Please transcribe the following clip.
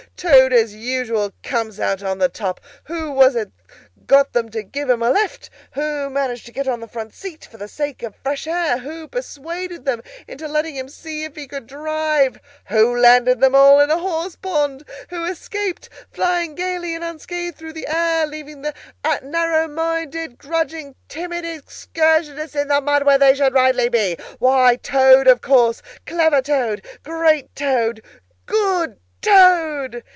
Toad, as usual, comes out on the top! Who was it got them to give him a lift? Who managed to get on the front seat for the sake of fresh air? Who persuaded them into letting him see if he could drive? Who landed them all in a horse pond? Who escaped, flying gaily and unscathed through the air, leaving the narrow minded, grudging, timid excursionists in the mud where they should rightly be? Why, Toad, of course; clever Toad, great Toad, good Toad!"